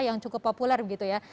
yang cukup populer begitu ya